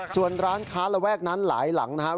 ส่วนร้านค้าระแวกนั้นหลายหลังนะครับ